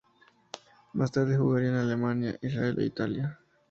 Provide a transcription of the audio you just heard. Más tarde, jugaría en Alemania, Israel e Italia.